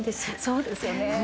そうですよね。